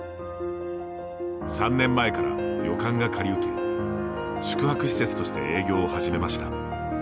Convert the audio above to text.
３年前から旅館が借り受け宿泊施設として営業を始めました。